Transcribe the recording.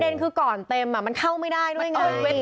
คือก่อนเต็มมันเข้าไม่ได้ด้วยไง